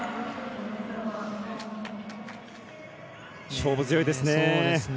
勝負強いですね。